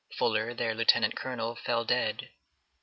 Fuller, their lieutenant colonel, fell dead.